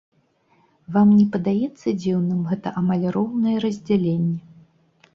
Вам на падаецца дзіўным гэта амаль роўнае раздзяленне?